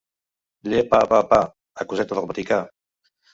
Llepapapa: acuseta del Vaticà.